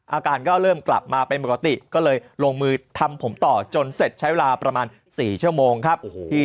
อาการก็เริ่มกลับมาเป็นปกติก็เลยลงมือทำผมต่อจนเสร็จใช้เวลาประมาณ๔ชั่วโมงครับ